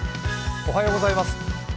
おはようございます。